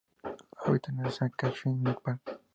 Habita en Assam, Kachin y Nepal.